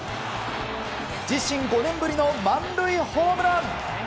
自身５年ぶりの満塁ホームラン。